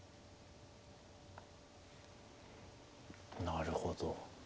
なるほど。